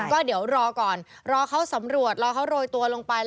ก็เดี๋ยวรอก่อนรอเขาสำรวจรอเขาโรยตัวลงไป